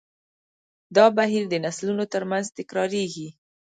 دا بهیر د نسلونو تر منځ تکراریږي.